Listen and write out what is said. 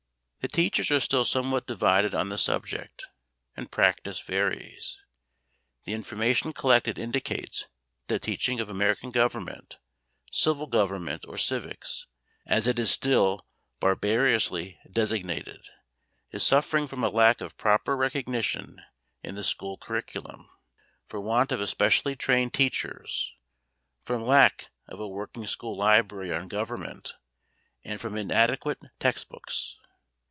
The teachers are still somewhat divided on the subject, and practice varies. The information collected indicates that the teaching of American Government, Civil Government or Civics as it is still barbarously designated, is suffering from a lack of proper recognition in the school curriculum, for want of especially trained teachers, from lack of a working school library on Government and from inadequate text books.